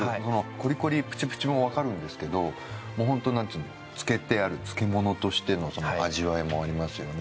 コリコリプチプチもわかるんですけどもうホント漬けてある漬物としての味わいもありますよね。